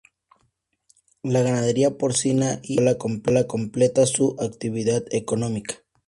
La ganadería porcina y avícola complementa su actividad económica.